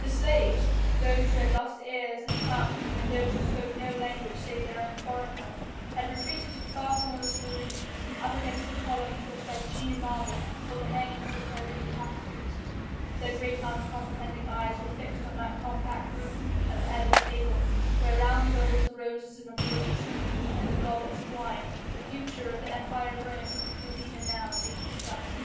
The slaves those who had lost ears and tongue and those who spoke no language save their own foreign one had retreated to the far corners of the room, up against the columns of Phrygian marble or the hangings of Tyrian tapestries; their great uncomprehending eyes were fixed on that compact group at the head of the table, where round the bowls of roses and of lilies and the goblets of wine, the future of the Empire of Rome was even now being discussed.